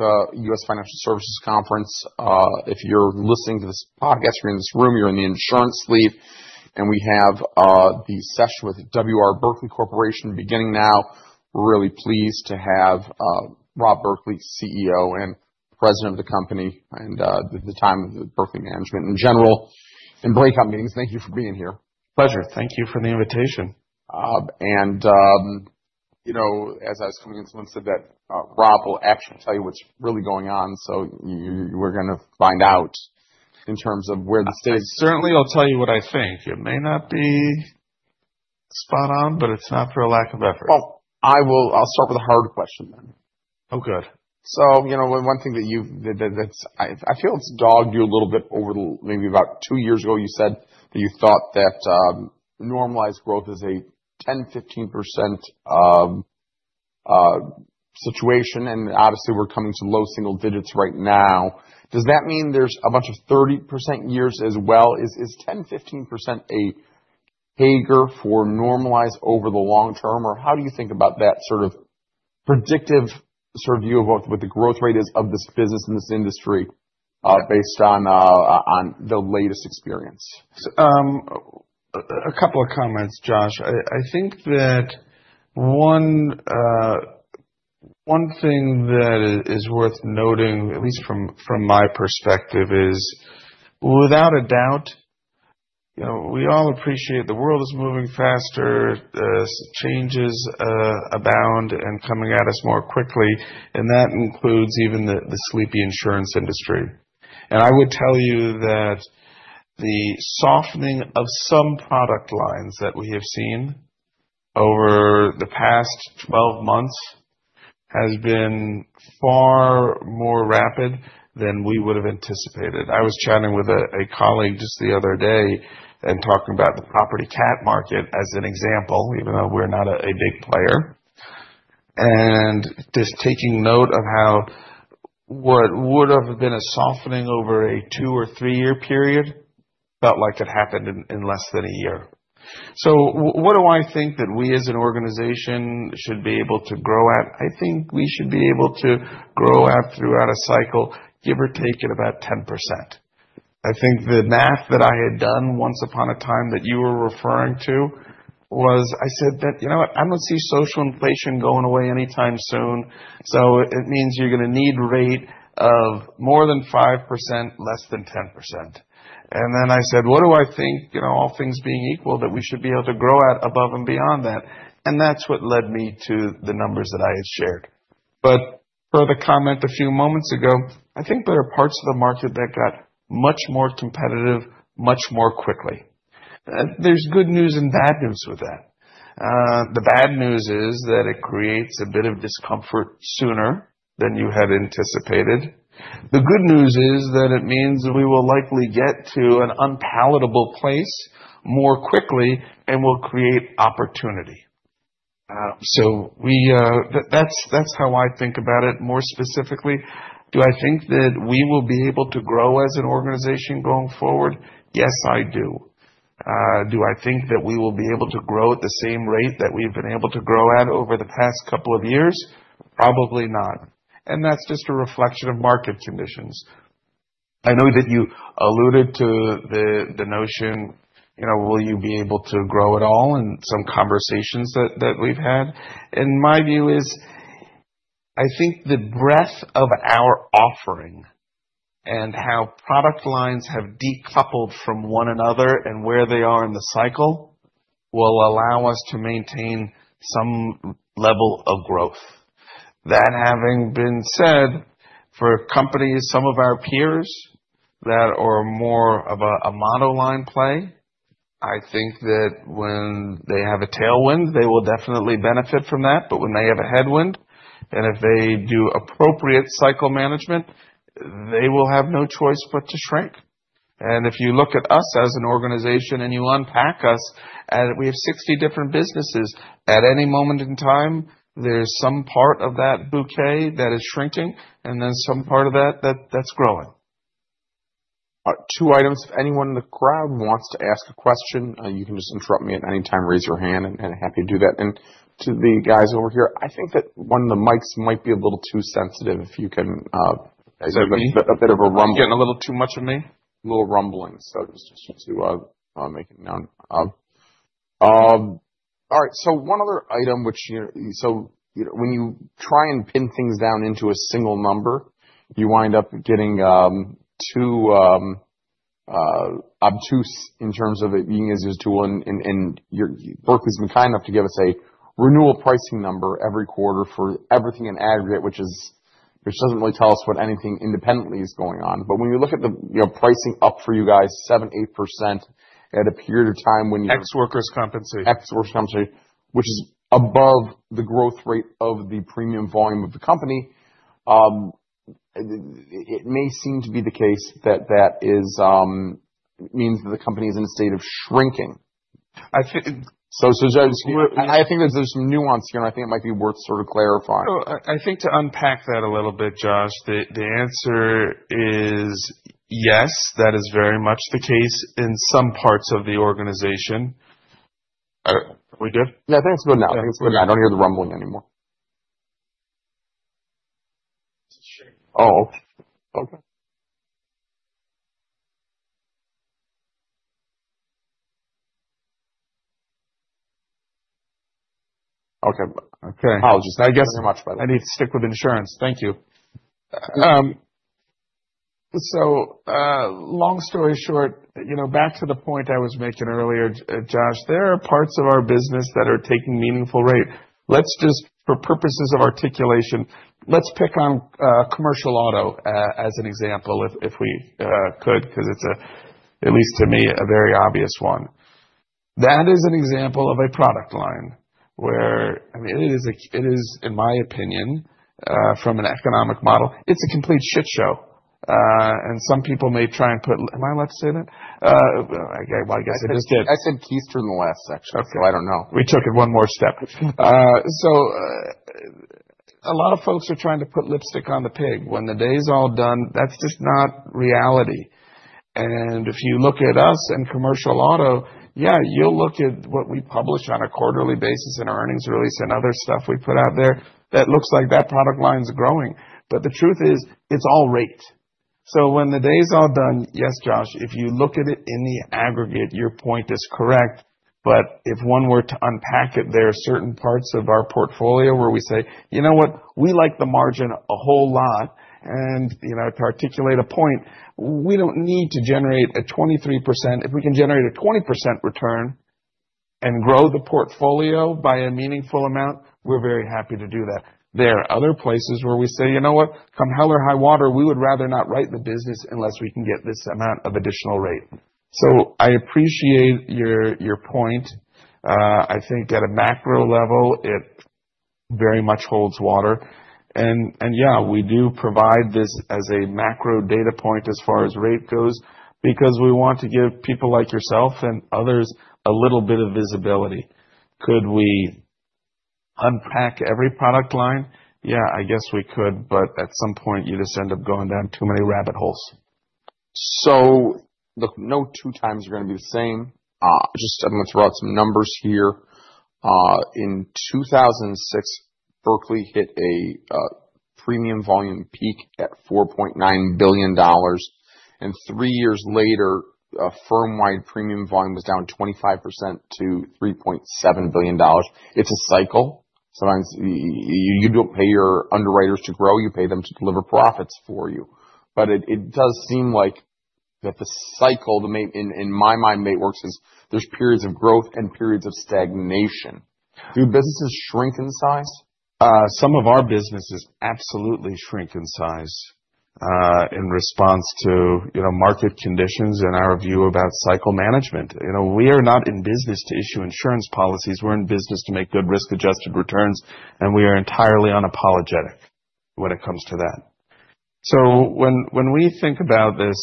U.S. Financial Services Conference. If you're listening to this podcast, you're in this room, you're in the insurance suite, and we have the session with W. R. Berkley Corporation beginning now. Really pleased to have Rob Berkley, CEO and President of the company, and the time of the Berkley management in general, in breakout meetings. Thank you for being here. Pleasure. Thank you for the invitation. You know, as I was coming in, someone said that Rob will actually tell you what's really going on, so we're gonna find out in terms of where the- I certainly will tell you what I think. It may not be spot on, but it's not for a lack of effort. Oh, I'll start with a harder question then. Oh, good. So, you know, one thing that's dogged you a little bit over the... Maybe about two years ago, you said that you thought that normalized growth is a 10%-15% situation, and obviously we're coming to low single digits right now. Does that mean there's a bunch of 30% years as well? Is 10%-15% a gauge for normalized over the long term, or how do you think about that sort of predictive sort of view of what the growth rate is of this business in this industry based on the latest experience? A couple of comments, Josh. I think that one thing that is worth noting, at least from my perspective, is without a doubt, you know, we all appreciate the world is moving faster, changes abound and coming at us more quickly, and that includes even the sleepy insurance industry. And I would tell you that the softening of some product lines that we have seen over the past 12 months has been far more rapid than we would've anticipated. I was chatting with a colleague just the other day and talking about the property cat market as an example, even though we're not a big player, and just taking note of how what would have been a softening over a two or three year period felt like it happened in less than a year. So what do I think that we as an organization should be able to grow at? I think we should be able to grow at, throughout a cycle, give or take, at about 10%. I think the math that I had done once upon a time, that you were referring to, was I said that: "You know what? I don't see social inflation going away anytime soon, so it means you're gonna need rate of more than 5%, less than 10%." And then I said: "What do I think, you know, all things being equal, that we should be able to grow at above and beyond that?" And that's what led me to the numbers that I had shared. But per the comment a few moments ago, I think there are parts of the market that got much more competitive, much more quickly. There's good news and bad news with that. The bad news is that it creates a bit of discomfort sooner than you had anticipated. The good news is that it means we will likely get to an unpalatable place more quickly and will create opportunity. So we... That, that's, that's how I think about it. More specifically, do I think that we will be able to grow as an organization going forward? Yes, I do. Do I think that we will be able to grow at the same rate that we've been able to grow at over the past couple of years? Probably not, and that's just a reflection of market conditions. I know that you alluded to the notion, you know, will you be able to grow at all, in some conversations that we've had. My view is, I think the breadth of our offering and how product lines have decoupled from one another, and where they are in the cycle, will allow us to maintain some level of growth. That having been said, for companies, some of our peers, that are more of a monoline play, I think that when they have a tailwind, they will definitely benefit from that. But when they have a headwind, and if they do appropriate cycle management, they will have no choice but to shrink. And if you look at us as an organization, and you unpack us, we have 60 different businesses. At any moment in time, there's some part of that bouquet that is shrinking, and then some part of that that's growing. Two items. If anyone in the crowd wants to ask a question, you can just interrupt me at any time, raise your hand, and happy to do that. To the guys over here, I think that one of the mics might be a little too sensitive, if you can. Is that me? A bit of a rumble. Getting a little too much of me? A little rumbling, so just to make a note. All right, so one other item which, you... So, you know, when you try and pin things down into a single number, you wind up getting too obtuse in terms of it being as a tool, and you're-- Berkley's been kind enough to give us a renewal pricing number every quarter for everything in aggregate, which doesn't really tell us what anything independently is going on. But when you look at the, you know, pricing up for you guys, 7%-8% at a period of time when you- Ex workers' compensation. Ex workers' compensation, which is above the growth rate of the premium volume of the company. It may seem to be the case that that is means that the company is in a state of shrinking. I think- I think there's some nuance here, and I think it might be worth sort of clarifying. So I think to unpack that a little bit, Josh, the answer is yes, that is very much the case in some parts of the organization.... I don't know. Are we good? No, I think it's good now. I think it's good now. I don't hear the rumbling anymore. Oh, okay. Okay. Okay, okay. Apologies. I guess- Thank you very much, by the way. I need to stick with insurance. Thank you. So, long story short, you know, back to the point I was making earlier, Josh, there are parts of our business that are taking meaningful rate. Let's just, for purposes of articulation, let's pick on commercial auto as an example, if we could, 'cause it's a, at least to me, a very obvious one. That is an example of a product line where, I mean, it is, in my opinion, from an economic model, it's a complete shit show. And some people may try and put... Am I allowed to say that? Well, I guess- I said keister in the last section- Okay. So I don't know. We took it one more step. So, a lot of folks are trying to put lipstick on the pig. When the day's all done, that's just not reality. And if you look at us and commercial auto, yeah, you'll look at what we publish on a quarterly basis in our earnings release and other stuff we put out there, that looks like that product line's growing, but the truth is, it's all rate. So when the day is all done, yes, Josh, if you look at it in the aggregate, your point is correct. But if one were to unpack it, there are certain parts of our portfolio where we say, "You know what? We like the margin a whole lot," and, you know, to articulate a point, we don't need to generate a 23%. If we can generate a 20% return and grow the portfolio by a meaningful amount, we're very happy to do that. There are other places where we say, "You know what? Come hell or high water, we would rather not write the business unless we can get this amount of additional rate." So I appreciate your, your point. I think at a macro level, it very much holds water. And yeah, we do provide this as a macro data point as far as rate goes, because we want to give people like yourself and others a little bit of visibility. Could we unpack every product line? Yeah, I guess we could, but at some point, you just end up going down too many rabbit holes. So look, no 2x are gonna be the same. Just I'm gonna throw out some numbers here. In 2006, Berkley hit a premium volume peak at $4.9 billion, and three years later, a firm-wide premium volume was down 25% to $3.7 billion. It's a cycle. Sometimes you don't pay your underwriters to grow, you pay them to deliver profits for you. But it does seem like that the cycle, the main. In my mind, may work since there's periods of growth and periods of stagnation. Do businesses shrink in size? Some of our businesses absolutely shrink in size in response to, you know, market conditions and our view about cycle management. You know, we are not in business to issue insurance policies. We're in business to make good risk-adjusted returns, and we are entirely unapologetic when it comes to that. So when we think about this,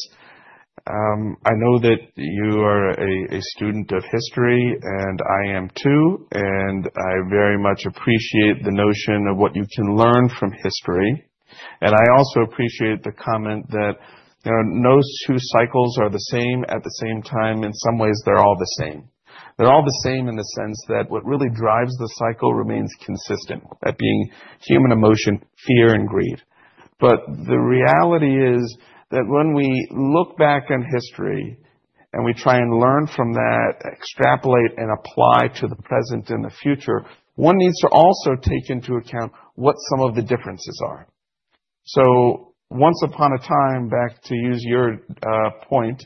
I know that you are a student of history, and I am too, and I very much appreciate the notion of what you can learn from history. And I also appreciate the comment that, you know, no two cycles are the same at the same time. In some ways, they're all the same. They're all the same in the sense that what really drives the cycle remains consistent, that being human emotion, fear, and greed. But the reality is that when we look back on history and we try and learn from that, extrapolate and apply to the present and the future, one needs to also take into account what some of the differences are. So once upon a time, back, to use your point,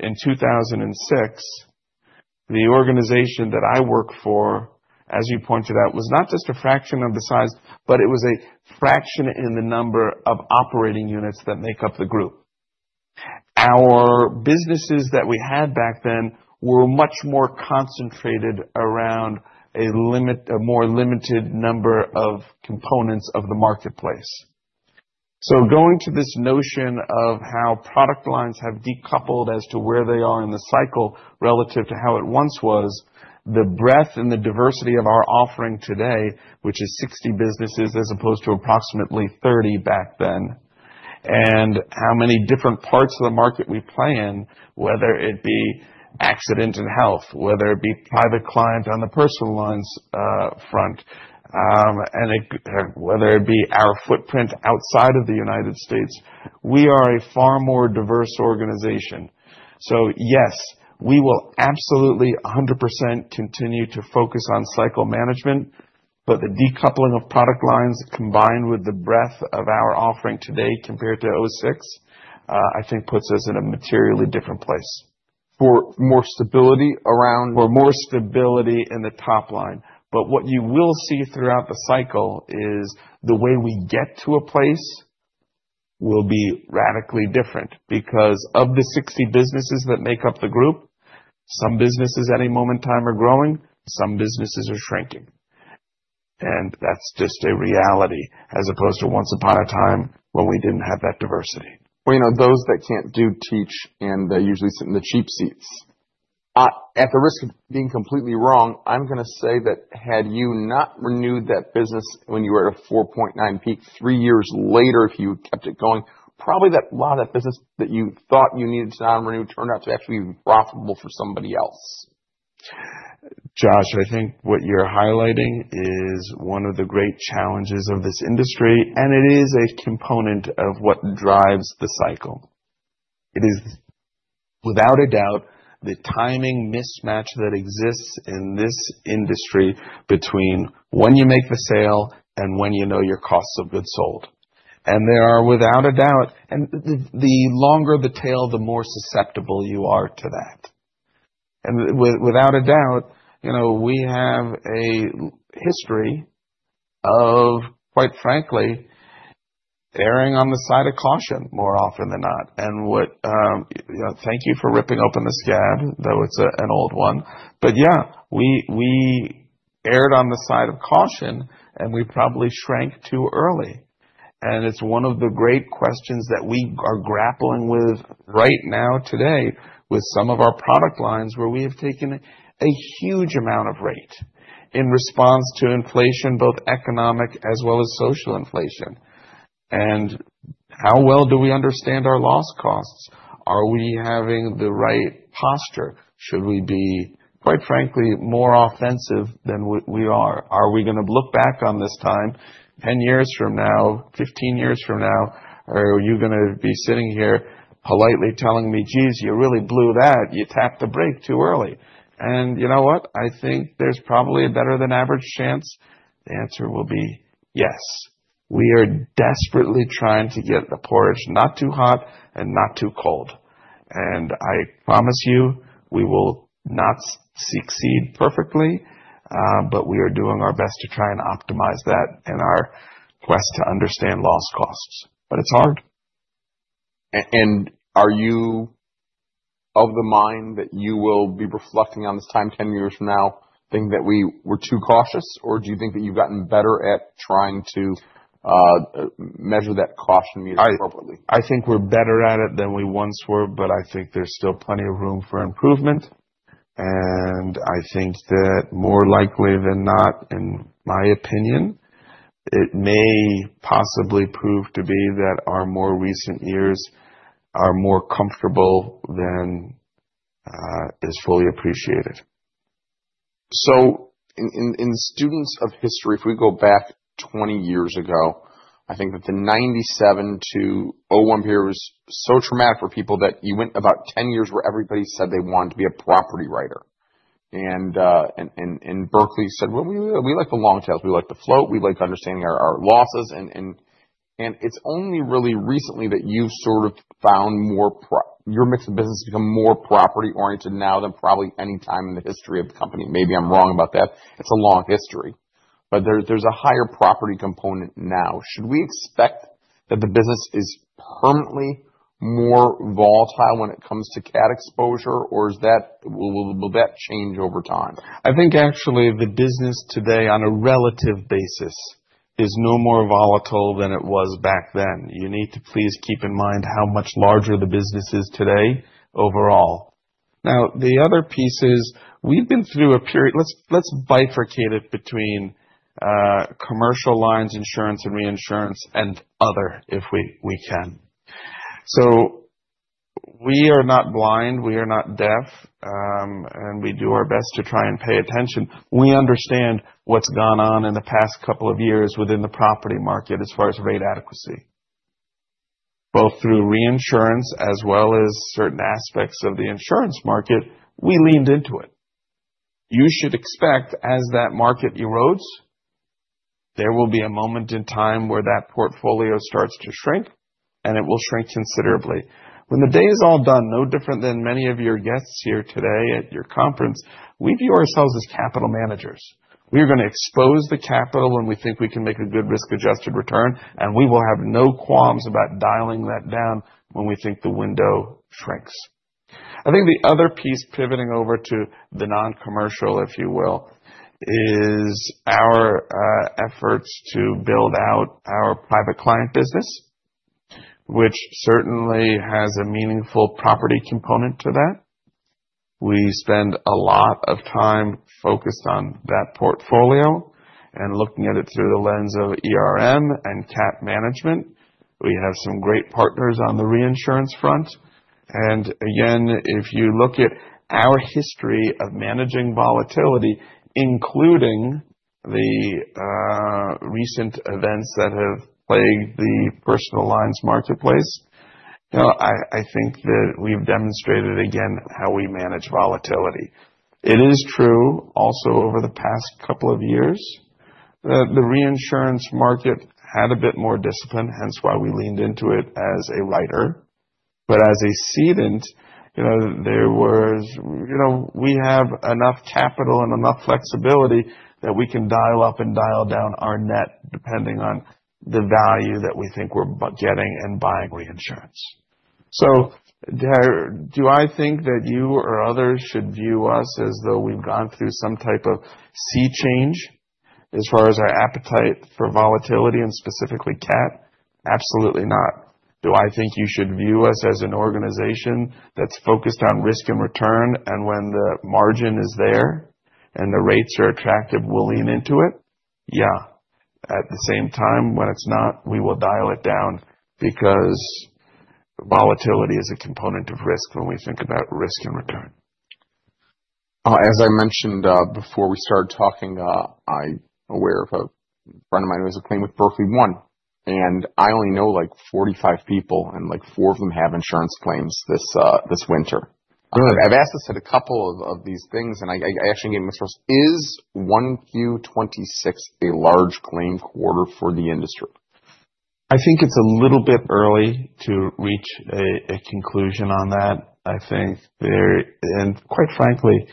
in 2006, the organization that I work for, as you pointed out, was not just a fraction of the size, but it was a fraction in the number of operating units that make up the group. Our businesses that we had back then were much more concentrated around a more limited number of components of the marketplace. So going to this notion of how product lines have decoupled as to where they are in the cycle relative to how it once was, the breadth and the diversity of our offering today, which is 60 businesses as opposed to approximately 30 back then, and how many different parts of the market we play in, whether it be accident and health, whether it be private client on the personal lines, front, whether it be our footprint outside of the United States, we are a far more diverse organization. So yes, we will absolutely, 100%, continue to focus on cycle management, but the decoupling of product lines, combined with the breadth of our offering today compared to 2006, I think puts us in a materially different place. For more stability around- For more stability in the top line. But what you will see throughout the cycle is the way we get to a place will be radically different. Because of the 60 businesses that make up the group, some businesses, at a moment in time, are growing, some businesses are shrinking. And that's just a reality, as opposed to once upon a time when we didn't have that diversity. Well, you know, those that can't do, teach, and they usually sit in the cheap seats. At the risk of being completely wrong, I'm gonna say that had you not renewed that business when you were at a 4.9 peak, three years later, if you kept it going, probably that a lot of that business that you thought you needed to not renew, turned out to actually be profitable for somebody else.... Josh, I think what you're highlighting is one of the great challenges of this industry, and it is a component of what drives the cycle. It is, without a doubt, the timing mismatch that exists in this industry between when you make the sale and when you know your costs of goods sold. And there are, without a doubt, the longer the tail, the more susceptible you are to that. And without a doubt, you know, we have a history of, quite frankly, erring on the side of caution more often than not. And what, you know, thank you for ripping open the scab, though it's an old one. But, yeah, we erred on the side of caution, and we probably shrank too early. It's one of the great questions that we are grappling with right now today with some of our product lines, where we have taken a huge amount of rate in response to inflation, both economic as well as social inflation. How well do we understand our loss costs? Are we having the right posture? Should we be, quite frankly, more offensive than we are? Are we gonna look back on this time 10 years from now, 15 years from now, are you gonna be sitting here politely telling me: "Geez, you really blew that. You tapped the brake too early." You know what? I think there's probably a better than average chance the answer will be yes. We are desperately trying to get the porridge not too hot and not too cold, and I promise you, we will not succeed perfectly, but we are doing our best to try and optimize that in our quest to understand loss costs. But it's hard. And are you of the mind that you will be reflecting on this time 10 years from now, thinking that we were too cautious, or do you think that you've gotten better at trying to measure that caution more appropriately? I think we're better at it than we once were, but I think there's still plenty of room for improvement, and I think that more likely than not, in my opinion, it may possibly prove to be that our more recent years are more comfortable than is fully appreciated. So students of history, if we go back 20 years ago, I think that the 1997-2001 period was so traumatic for people that you went about 10 years where everybody said they wanted to be a property writer. And Berkley said, "Well, we like the long tails. We like the float. We like understanding our losses." It's only really recently that you've sort of found more property your mix of business become more property oriented now than probably any time in the history of the company. Maybe I'm wrong about that. It's a long history, but there's a higher property component now. Should we expect that the business is permanently more volatile when it comes to cat exposure, or is that will that change over time? I think actually the business today, on a relative basis, is no more volatile than it was back then. You need to please keep in mind how much larger the business is today overall. Now, the other piece is we've been through a period. Let's bifurcate it between commercial lines, insurance and reinsurance and other, if we can. So we are not blind, we are not deaf, and we do our best to try and pay attention. We understand what's gone on in the past couple of years within the property market as far as rate adequacy. Both through reinsurance as well as certain aspects of the insurance market, we leaned into it. You should expect, as that market erodes, there will be a moment in time where that portfolio starts to shrink, and it will shrink considerably. When the day is all done, no different than many of your guests here today at your conference, we view ourselves as capital managers. We are gonna expose the capital when we think we can make a good risk-adjusted return, and we will have no qualms about dialing that down when we think the window shrinks. I think the other piece, pivoting over to the non-commercial, if you will, is our efforts to build out our private client business, which certainly has a meaningful property component to that. We spend a lot of time focused on that portfolio and looking at it through the lens of ERM and cat management. We have some great partners on the reinsurance front, and again, if you look at our history of managing volatility, including the recent events that have plagued the personal lines marketplace, you know, I think that we've demonstrated again how we manage volatility. It is true also over the past couple of years, that the reinsurance market had a bit more discipline, hence why we leaned into it as a writer. But as a cedent, you know, we have enough capital and enough flexibility that we can dial up and dial down our net, depending on the value that we think we're getting and buying reinsurance. So do I think that you or others should view us as though we've gone through some type of sea change as far as our appetite for volatility and specifically cat? Absolutely not. Do I think you should view us as an organization that's focused on risk and return, and when the margin is there and the rates are attractive, we'll lean into it? Yeah. At the same time, when it's not, we will dial it down, because volatility is a component of risk when we think about risk and return. As I mentioned, before we started talking, I'm aware of a friend of mine who has a claim with Berkley One, and I only know, like, 45 people, and, like, four of them have insurance claims this winter. Good. I've asked this at a couple of these things, and I actually is 1Q-26 a large claim quarter for the industry? I think it's a little bit early to reach a conclusion on that. I think there... And quite frankly,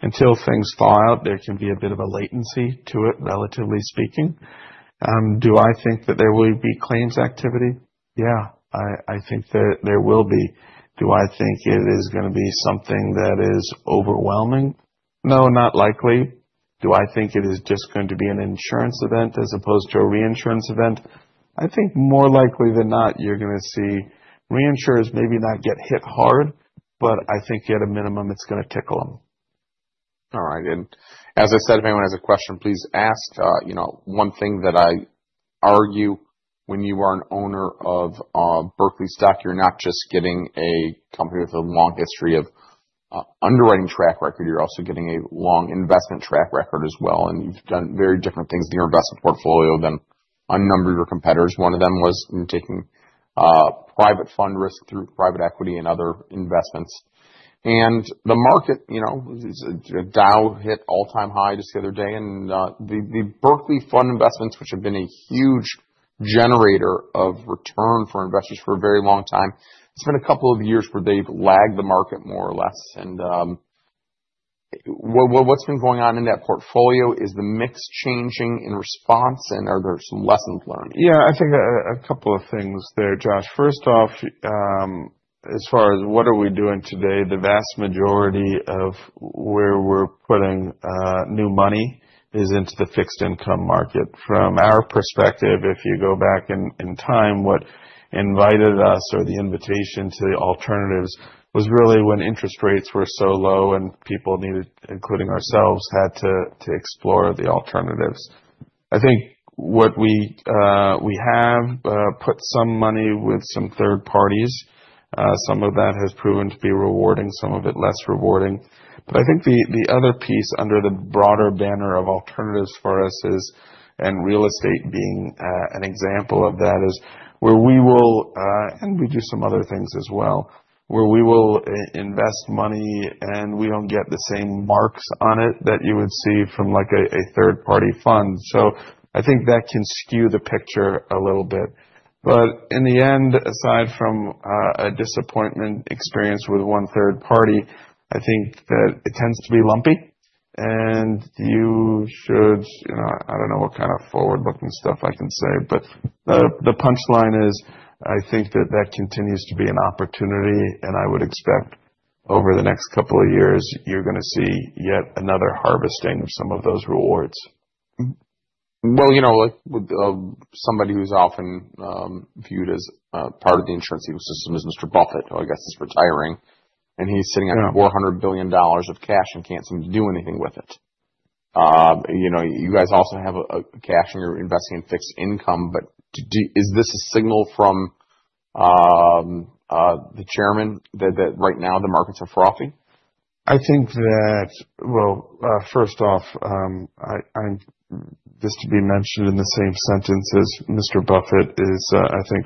until things thaw out, there can be a bit of a latency to it, relatively speaking. Do I think that there will be claims activity? Yeah, I think that there will be. Do I think it is gonna be something that is overwhelming? No, not likely. Do I think it is just going to be an insurance event as opposed to a reinsurance event? I think more likely than not, you're gonna see reinsurers maybe not get hit hard, but I think at a minimum, it's gonna tickle them. All right. As I said, if anyone has a question, please ask. You know, one thing that I argue, when you are an owner of, Berkley stock, you're not just getting a company with a long history of, underwriting track record, you're also getting a long investment track record as well. And you've done very different things in your investment portfolio than a number of your competitors. One of them was in taking, private fund risk through private equity and other investments. And the market, you know, is, Dow hit all-time high just the other day, and, the, the Berkley fund investments, which have been a huge generator of return for investors for a very long time, it's been a couple of years where they've lagged the market more or less. And, what, what's been going on in that portfolio? Is the mix changing in response, and are there some lessons learned? Yeah, I think a couple of things there, Josh. First off, as far as what are we doing today, the vast majority of where we're putting new money is into the fixed income market. From our perspective, if you go back in time, what invited us, or the invitation to the alternatives, was really when interest rates were so low and people needed, including ourselves, had to explore the alternatives. I think what we have put some money with some third parties. Some of that has proven to be rewarding, some of it less rewarding. But I think the other piece under the broader banner of alternatives for us is, and real estate being an example of that, is where we will, and we do some other things as well, where we will invest money, and we don't get the same marks on it that you would see from, like, a third-party fund. So I think that can skew the picture a little bit. But in the end, aside from a disappointment experience with one third party, I think that it tends to be lumpy, and you should, you know, I don't know what kind of forward-looking stuff I can say, but the punchline is, I think that that continues to be an opportunity, and I would expect over the next couple of years, you're gonna see yet another harvesting of some of those rewards. Well, you know, like, with somebody who's often viewed as part of the insurance ecosystem is Mr. Buffett, who I guess is retiring, and he's sitting on- Yeah... $400 billion of cash and can't seem to do anything with it. You know, you guys also have cash and you're investing in fixed income, but is this a signal from the chairman that right now the markets are frothy? I think that I'm just to be mentioned in the same sentence as Mr. Buffett is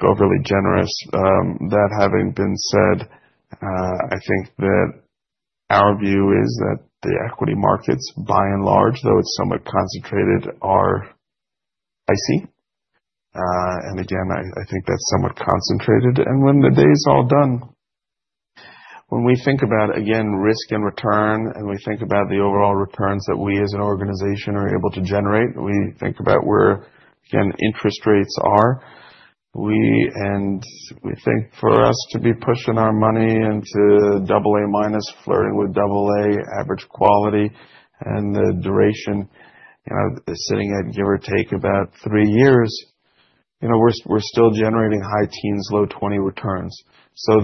overly generous. That having been said, our view is that the equity markets, by and large, though it's somewhat concentrated, are priced. That's somewhat concentrated. When the day is all done, when we think about, again, risk and return, and we think about the overall returns that we as an organization are able to generate, we think about where, again, interest rates are. And we think for us to be pushing our money into double A minus, flirting with double A, average quality, and the duration, you know, is sitting at, give or take, about three years, you know, we're still generating high teens, low 20 returns.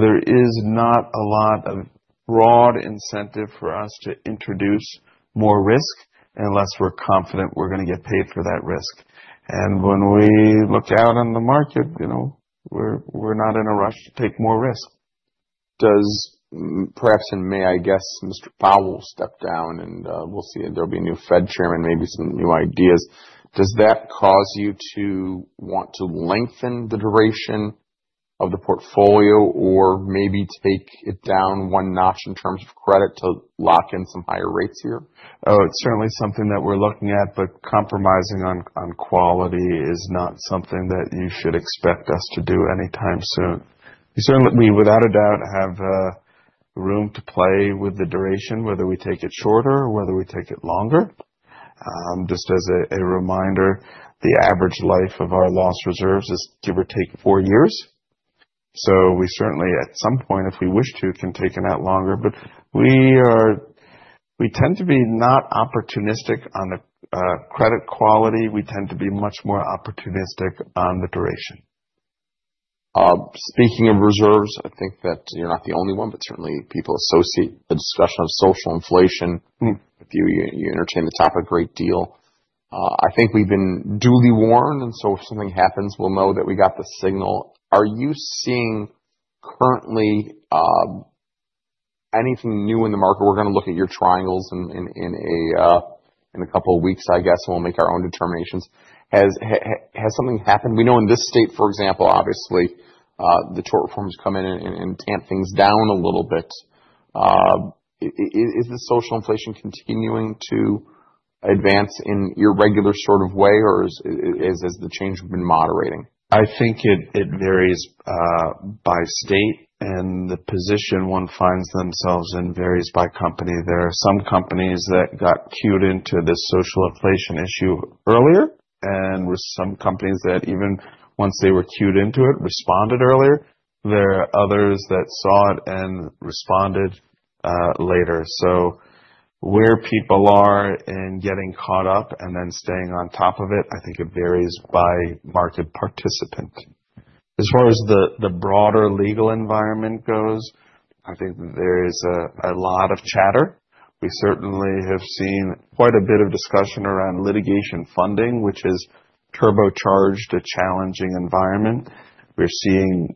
There is not a lot of broad incentive for us to introduce more risk, unless we're confident we're gonna get paid for that risk. When we look out on the market, you know, we're not in a rush to take more risk. Does, perhaps in May, I guess, Mr. Powell will step down, and we'll see. There'll be a new Fed chairman, maybe some new ideas. Does that cause you to want to lengthen the duration of the portfolio or maybe take it down one notch in terms of credit, to lock in some higher rates here? Oh, it's certainly something that we're looking at, but compromising on quality is not something that you should expect us to do anytime soon. We certainly without a doubt have room to play with the duration, whether we take it shorter or whether we take it longer. Just as a reminder, the average life of our loss reserves is, give or take, four years. So we certainly, at some point, if we wish to, can take it out longer. But we tend to be not opportunistic on the credit quality. We tend to be much more opportunistic on the duration. Speaking of reserves, I think that you're not the only one, but certainly people associate the discussion of social inflation. Mm. If you entertain the topic a great deal. I think we've been duly warned, and so if something happens, we'll know that we got the signal. Are you seeing currently anything new in the market? We're gonna look at your triangles in a couple of weeks, I guess, and we'll make our own determinations. Has something happened? We know in this state, for example, obviously, the tort reforms come in and tamp things down a little bit. Is the social inflation continuing to advance in your regular sort of way, or has the change been moderating? I think it varies by state, and the position one finds themselves in varies by company. There are some companies that got cued into this social inflation issue earlier, and there's some companies that even once they were cued into it, responded earlier. There are others that saw it and responded later. So where people are in getting caught up and then staying on top of it, I think it varies by market participant. As far as the broader legal environment goes, I think there is a lot of chatter. We certainly have seen quite a bit of discussion around litigation funding, which has turbocharged a challenging environment. We're seeing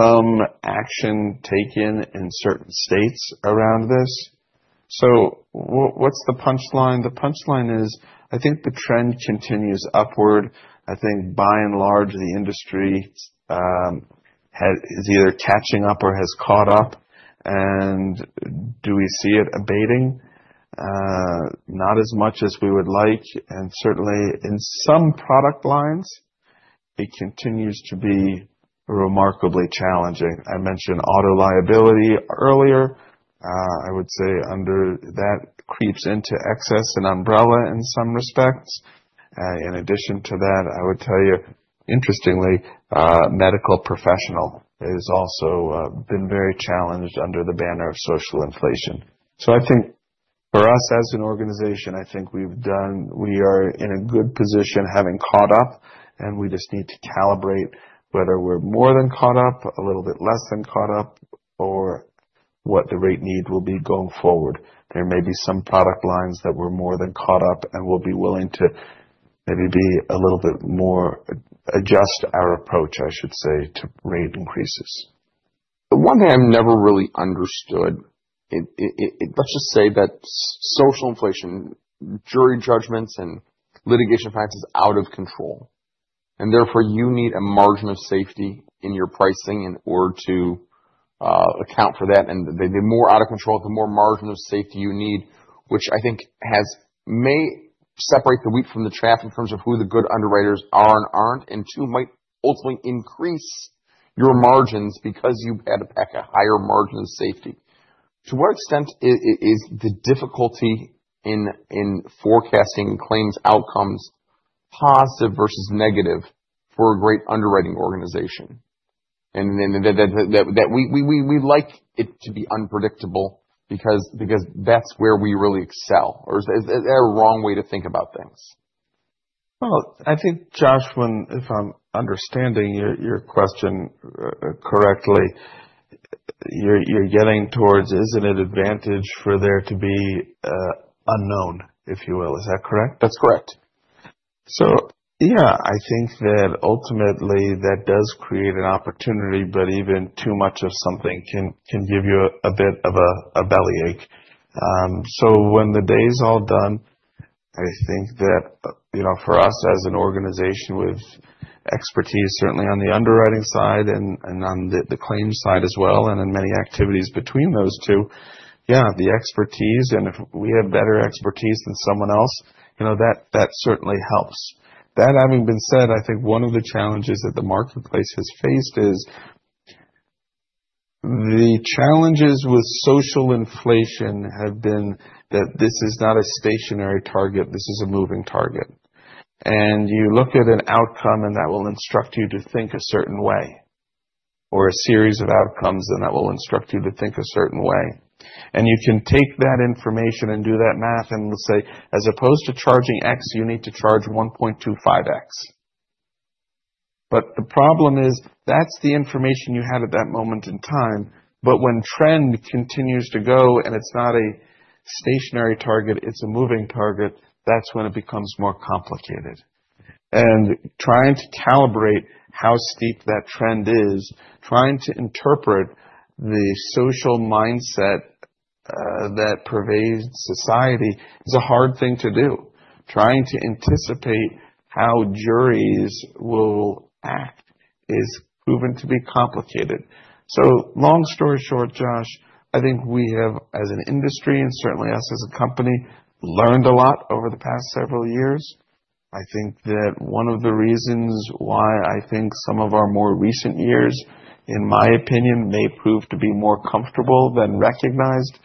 some action taken in certain states around this. So what's the punchline? The punchline is, I think the trend continues upward. I think by and large, the industry has... is either catching up or has caught up. And do we see it abating? Not as much as we would like, and certainly in some product lines, it continues to be remarkably challenging. I mentioned auto liability earlier. I would say under that creeps into excess and umbrella in some respects. In addition to that, I would tell you, interestingly, medical professional has also been very challenged under the banner of social inflation. So I think for us as an organization, we are in a good position having caught up, and we just need to calibrate whether we're more than caught up, a little bit less than caught up, or what the rate need will be going forward. There may be some product lines that we're more than caught up, and we'll be willing to maybe be a little bit more, adjust our approach, I should say, to rate increases. The one thing I've never really understood. Let's just say that social inflation, jury judgments, and litigation facts is out of control, and therefore, you need a margin of safety in your pricing in order to account for that. And the more out of control, the more margin of safety you need, which I think has may separate the wheat from the chaff in terms of who the good underwriters are and aren't, and two, might ultimately increase your margins because you've had to pack a higher margin of safety. To what extent is the difficulty in forecasting claims outcomes positive versus negative for a great underwriting organization? And that we'd like it to be unpredictable because that's where we really excel. Or is there a wrong way to think about things? Well, I think, Josh, when, if I'm understanding your question correctly, you're getting towards, is it an advantage for there to be unknown, if you will. Is that correct? That's correct. So, yeah, I think that ultimately that does create an opportunity, but even too much of something can give you a bit of a bellyache. So when the day is all done, I think that, you know, for us as an organization with expertise, certainly on the underwriting side and on the claims side as well, and in many activities between those two, yeah, the expertise, and if we have better expertise than someone else, you know, that certainly helps. That having been said, I think one of the challenges that the marketplace has faced is... The challenges with social inflation have been that this is not a stationary target, this is a moving target. And you look at an outcome, and that will instruct you to think a certain way, or a series of outcomes, and that will instruct you to think a certain way. And you can take that information and do that math, and we'll say, as opposed to charging X, you need to charge 1.25X. But the problem is, that's the information you had at that moment in time, but when trend continues to go and it's not a stationary target, it's a moving target, that's when it becomes more complicated. And trying to calibrate how steep that trend is, trying to interpret the social mindset, that pervades society is a hard thing to do. Trying to anticipate how juries will act is proven to be complicated. So long story short, Josh, I think we have, as an industry and certainly us as a company, learned a lot over the past several years. I think that one of the reasons why I think some of our more recent years, in my opinion, may prove to be more comfortable than recognized,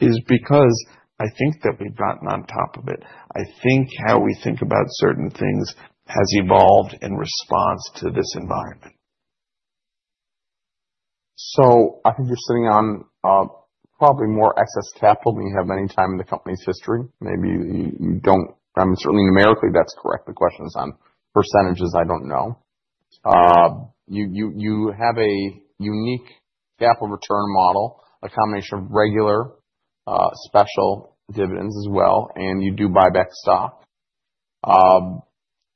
is because I think that we've gotten on top of it. I think how we think about certain things has evolved in response to this environment. So I think you're sitting on, probably more excess capital than you have any time in the company's history. Maybe. Certainly numerically, that's correct. The question is on percentages, I don't know. You have a unique capital return model, a combination of regular, special dividends as well, and you do buy back stock.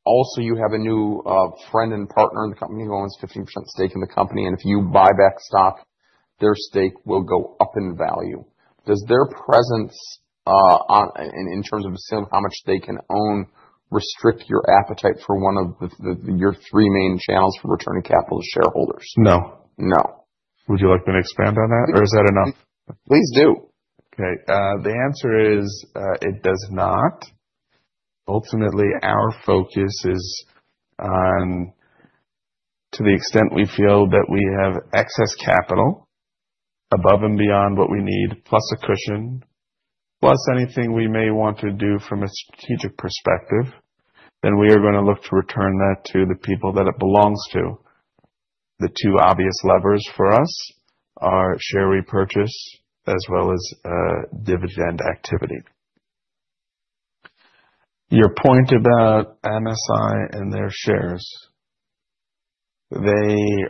Also, you have a new, friend and partner in the company who owns 15% stake in the company, and if you buy back stock, their stake will go up in value. Does their presence, ownership and in terms of assuming how much they can own, restrict your appetite for one of your three main channels for returning capital to shareholders? No. No. Would you like me to expand on that, or is that enough? Please do. Okay. The answer is, it does not. Ultimately, our focus is on, to the extent we feel that we have excess capital above and beyond what we need, plus a cushion, plus anything we may want to do from a strategic perspective, then we are gonna look to return that to the people that it belongs to. The two obvious levers for us are share repurchase as well as, dividend activity. Your point about MSI and their shares, they, either in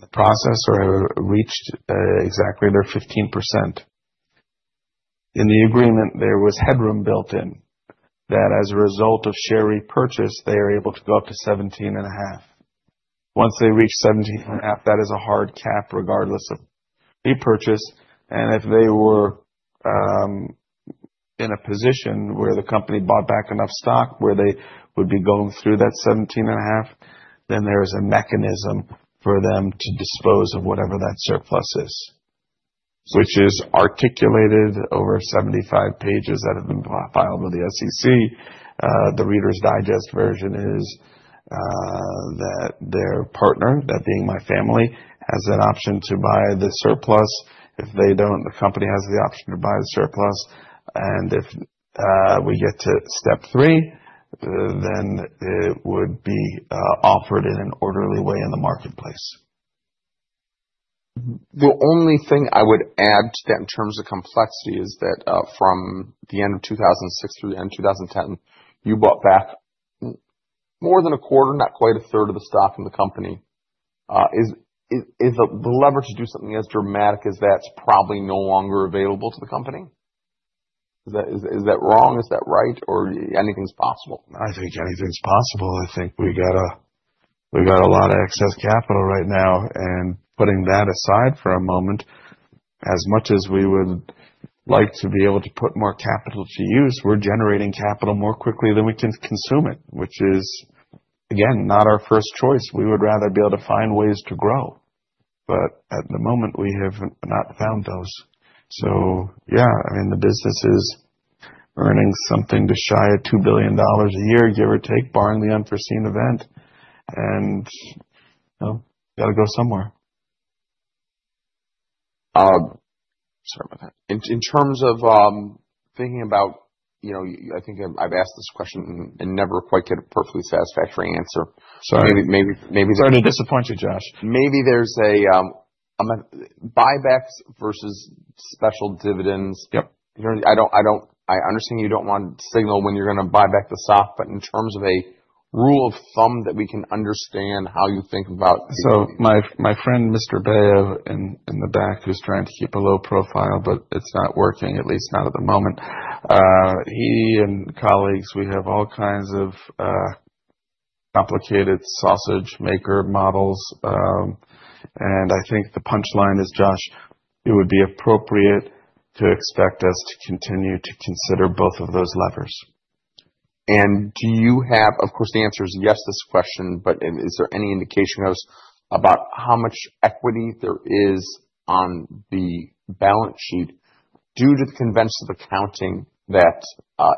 the process or have reached, exactly their 15%. In the agreement, there was headroom built in, that as a result of share repurchase, they are able to go up to 17.5%. Once they reach 17.5, that is a hard cap, regardless of repurchase, and if they were in a position where the company bought back enough stock, where they would be going through that 17.5, then there is a mechanism for them to dispose of whatever that surplus is. Which is articulated over 75 pages that have been filed with the SEC. The Reader's Digest version is that their partner, that being my family, has an option to buy the surplus. If they don't, the company has the option to buy the surplus, and if we get to step 3, then it would be offered in an orderly way in the marketplace. The only thing I would add to that in terms of complexity is that from the end of 2006 through the end of 2010, you bought back more than a quarter, not quite a third of the stock in the company. Is the lever to do something as dramatic as that's probably no longer available to the company? Is that wrong? Is that right? Or anything's possible? I think anything's possible. I think we got a, we got a lot of excess capital right now, and putting that aside for a moment, as much as we would like to be able to put more capital to use, we're generating capital more quickly than we can consume it, which is, again, not our first choice. We would rather be able to find ways to grow, but at the moment, we have not found those. So yeah, I mean, the business is earning something to shy at $2 billion a year, give or take, barring the unforeseen event, and, you know, gotta go somewhere. Sorry about that. In terms of thinking about, you know, I think I've asked this question and never quite get a perfectly satisfactory answer. Sorry. Maybe- Sorry to disappoint you, Josh. Maybe there's a buybacks versus special dividends. Yep. I understand you don't want to signal when you're gonna buy back the stock, but in terms of a rule of thumb that we can understand how you think about- So my friend Mr. Baio in the back, who's trying to keep a low profile, but it's not working, at least not at the moment. He and colleagues, we have all kinds of complicated sausage maker models. And I think the punchline is, Josh, it would be appropriate to expect us to continue to consider both of those levers. And do you have... Of course, the answer is yes, to this question, but, and is there any indication as about how much equity there is on the balance sheet due to the conventions of accounting that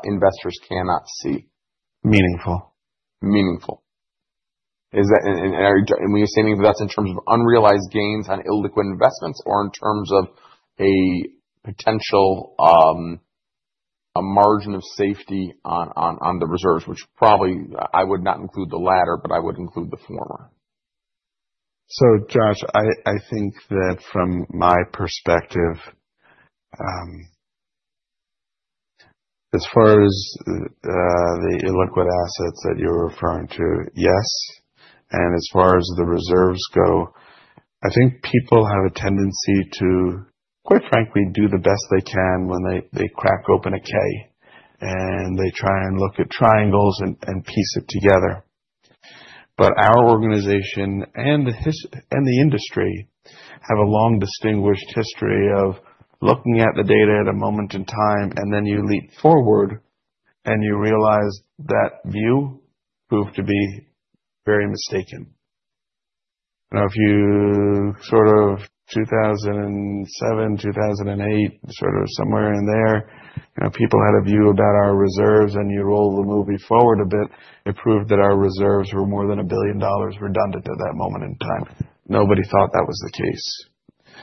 investors cannot see? Meaningful. Meaningful. Is that, are you saying that's in terms of unrealized gains on illiquid investments or in terms of a potential, a margin of safety on the reserves, which probably I would not include the latter, but I would include the former? So, Josh, I, I think that from my perspective, as far as the illiquid assets that you're referring to, yes, and as far as the reserves go, I think people have a tendency to, quite frankly, do the best they can when they crack open a K, and they try and look at triangles and piece it together. But our organization and the industry have a long, distinguished history of looking at the data at a moment in time, and then you leap forward, and you realize that view proved to be very mistaken. Now, if you sort of 2007, 2008, sort of somewhere in there, you know, people had a view about our reserves, and you roll the movie forward a bit, it proved that our reserves were more than $1 billion redundant at that moment in time. Nobody thought that was the case.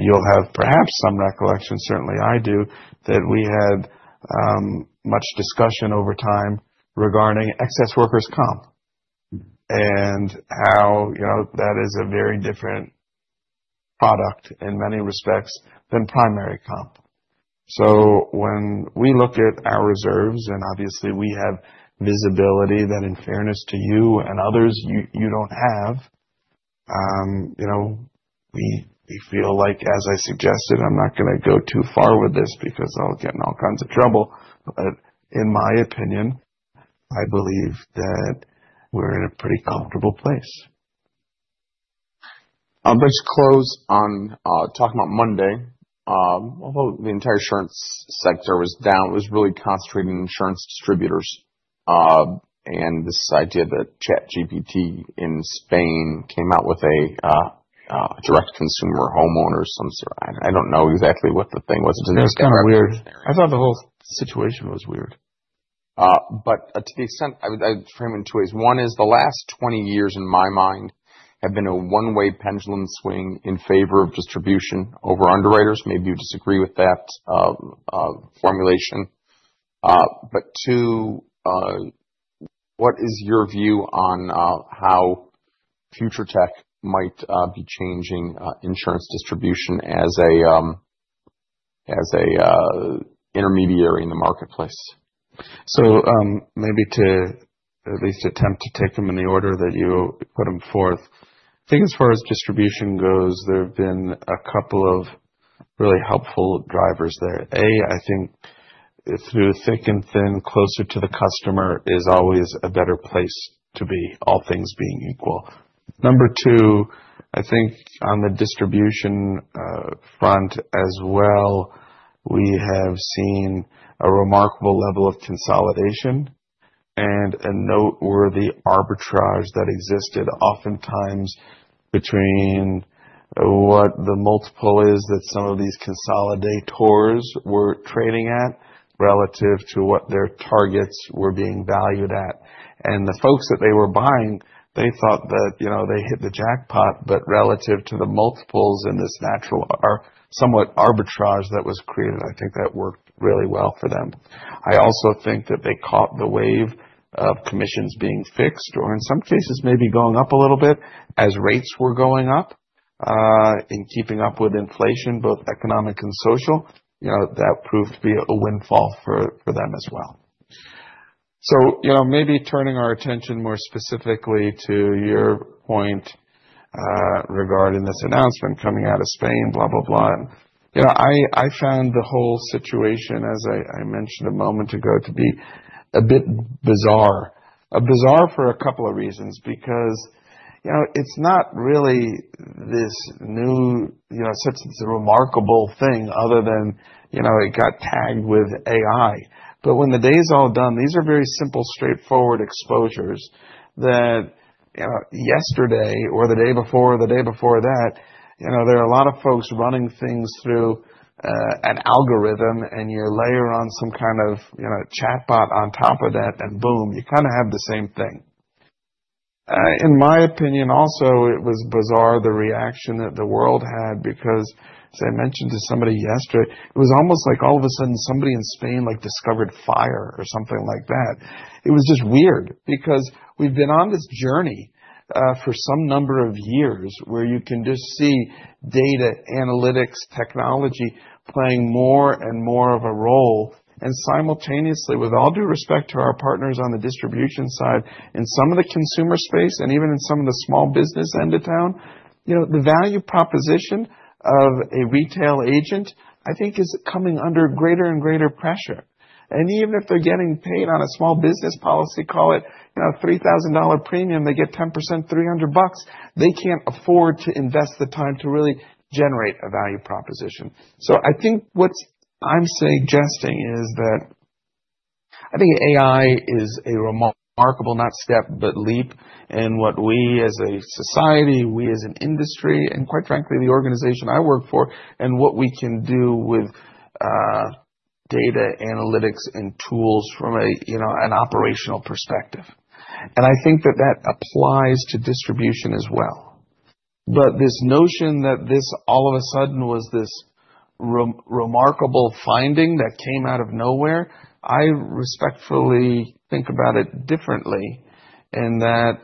You'll have perhaps some recollection, certainly I do, that we had much discussion over time regarding excess workers' comp, and how, you know, that is a very different product in many respects than primary comp. So when we look at our reserves, and obviously we have visibility that, in fairness to you and others, you don't have, you know, we feel like, as I suggested, I'm not gonna go too far with this because I'll get in all kinds of trouble, but in my opinion, I believe that we're in a pretty comfortable place. I'll just close on talking about Monday. Although the entire insurance sector was down, it was really concentrating insurance distributors. And this idea that ChatGPT in Spain came out with a direct consumer homeowner, I don't know exactly what the thing was. It was kind of weird. I thought the whole situation was weird. But to the extent, I would frame it in two ways. One is the last 20 years, in my mind, have been a one-way pendulum swing in favor of distribution over underwriters. Maybe you disagree with that formulation. But two, what is your view on how future tech might be changing insurance distribution as a intermediary in the marketplace? So, maybe to at least attempt to take them in the order that you put them forth. I think as far as distribution goes, there have been a couple of really helpful drivers there. A, I think through thick and thin, closer to the customer is always a better place to be, all things being equal. Number two, I think on the distribution, front as well, we have seen a remarkable level of consolidation and a noteworthy arbitrage that existed oftentimes between what the multiple is that some of these consolidators were trading at, relative to what their targets were being valued at. And the folks that they were buying, they thought that, you know, they hit the jackpot, but relative to the multiples in this natural, somewhat arbitrage that was created, I think that worked really well for them. I also think that they caught the wave of commissions being fixed, or in some cases, maybe going up a little bit as rates were going up, in keeping up with inflation, both economic and social. You know, that proved to be a windfall for, for them as well. So, you know, maybe turning our attention more specifically to your point, regarding this announcement coming out of Spain, blah, blah, blah. You know, I found the whole situation, as I mentioned a moment ago, to be a bit bizarre. Bizarre for a couple of reasons, because, you know, it's not really this new, you know, such a remarkable thing other than, you know, it got tagged with AI. But when the day is all done, these are very simple, straightforward exposures that, you know, yesterday or the day before, or the day before that, you know, there are a lot of folks running things through an algorithm, and you layer on some kind of, you know, chatbot on top of that, and boom, you kinda have the same thing. In my opinion, also, it was bizarre, the reaction that the world had, because as I mentioned to somebody yesterday, it was almost like all of a sudden, somebody in Spain, like, discovered fire or something like that. It was just weird, because we've been on this journey for some number of years, where you can just see data analytics technology playing more and more of a role. Simultaneously, with all due respect to our partners on the distribution side, in some of the consumer space, and even in some of the small business end of town, you know, the value proposition of a retail agent, I think, is coming under greater and greater pressure. Even if they're getting paid on a small business policy, call it, you know, $3,000 premium, they get 10%, $300, they can't afford to invest the time to really generate a value proposition. So I think what I'm suggesting is that... I think AI is a remarkable, not step, but leap in what we as a society, we as an industry, and quite frankly, the organization I work for, and what we can do with, data analytics and tools from a, you know, an operational perspective. I think that that applies to distribution as well. But this notion that this, all of a sudden, was this remarkable finding that came out of nowhere, I respectfully think about it differently, in that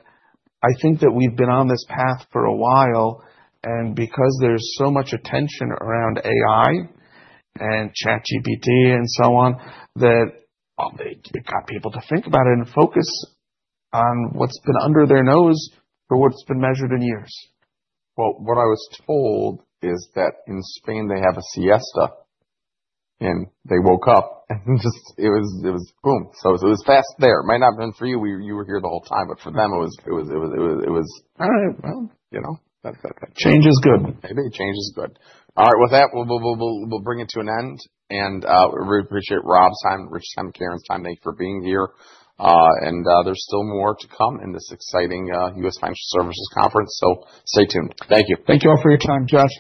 I think that we've been on this path for a while, and because there's so much attention around AI and ChatGPT and so on, that it got people to think about it and focus on what's been under their nose for what's been measured in years. Well, what I was told is that in Spain, they have a siesta, and they woke up, and just it was boom. So it was fast there. Might not have been for you, you were here the whole time, but for them, it was all right, well, you know, that- Change is good. I think change is good. All right, with that, we'll bring it to an end. And we really appreciate Rob's time, Rich's time, Karen's time, thank you for being here. And there's still more to come in this exciting US Financial Services Conference, so stay tuned. Thank you. Thank you all for your time. Josh?